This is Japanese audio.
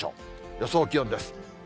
予想気温です。